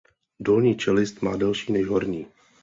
Dolní čelist má delší než horní.